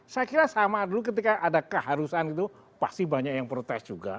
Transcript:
saya kira sama dulu ketika ada keharusan gitu pasti banyak yang protes juga